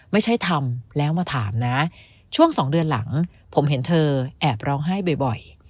ไม่ใช่ทำแล้วมาถามนะช่วง๒เดือนหลังผมเห็นเธอแอบร้องไห้บ่อย